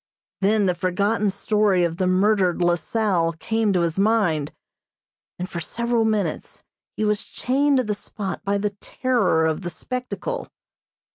Then the forgotten story of the murdered La Salle came to his mind, and for several minutes he was chained to the spot by the terror of the spectacle.